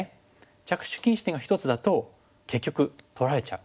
着手禁止点が１つだと結局取られちゃう。